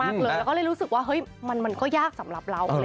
เราก็เลยรู้สึกว่ามันก็ยากสำหรับเรา